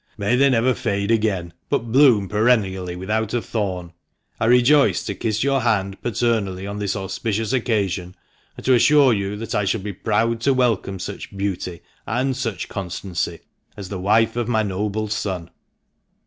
May they never fade again, but bloom perennially without a thorn ! I rejoice to kiss your hand paternally on this auspicious occasion, and to assure you that I shall be proud to welcome such beauty, and such constancy, as the wife of my noble son."